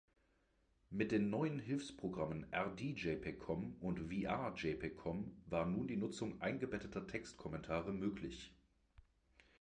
Mit den neuen Hilfsprogrammen „rdjpgcom“ und „wrjpgcom“ war nun die Nutzung eingebetteter Textkommentare möglich.